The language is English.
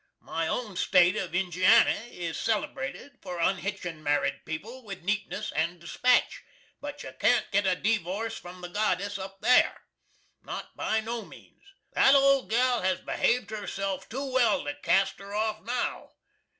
My own State of Injianny is celebrated for unhitchin marrid peple with neatness and dispatch, but you can't get a divorce from the Goddess up there. Not by no means. The old gal has behaved herself too well to cast her off now.